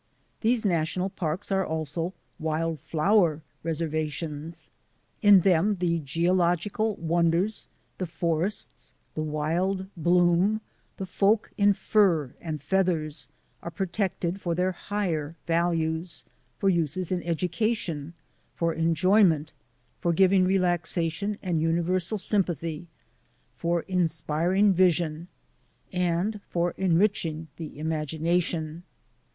These national parks are also wild flower res ervations. In them the geological wonders, the forests, the wild bloom, the folk in fur and feathers are protected for their higher values, for uses in education, for enjoyment, for giving relaxation and universal sympathy, for inspiring vision, and for enriching the imagination.